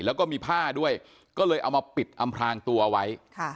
แล้วก็มีผ้าด้วยก็เลยเอามาปิดอำพลางตัวไว้